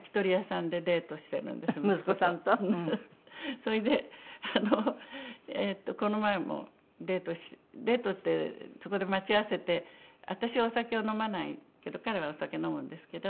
それであのえーっとこの前もデートデートってそこで待ち合わせて私はお酒を飲まないけど彼はお酒飲むんですけど。